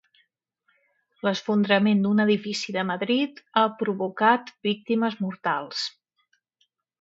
L'esfondrament d'un edifici de Madrid ha provocat víctimes mortals.